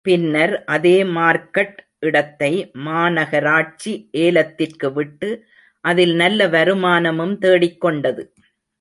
பின்னர் அதே மார்க்கட் இடத்தை மாநகராட்சி ஏலத்திற்கு விட்டு அதில் நல்ல வருமானமும் தேடிக் கொண்டது.